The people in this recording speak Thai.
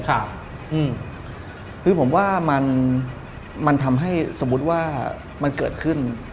คือผมว่ามันทำให้สมมุติว่ามันเกิดขึ้น